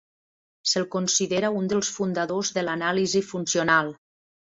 Se'l considera un dels fundadors de l'anàlisi funcional.